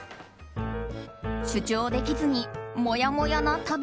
主張できずに、もやもやな旅。